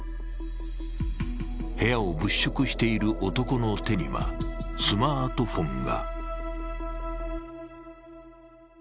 部屋を物色している男の手にはスマートフォンが。